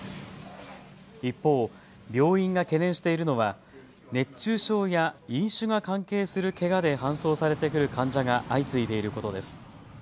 一方、病院が懸念しているのは熱中症や飲酒が関係するけがで搬送されてくる患者が相次いでいることです。